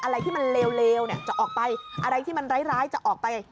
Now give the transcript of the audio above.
อะไรที่มันเลวเนี่ยจะออกไปอะไรที่มันร้ายจะออกไป